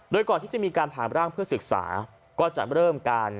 โดยก่อนที่จะมีการผ่านร่างเพื่อศึกษาก็จะเริ่มการ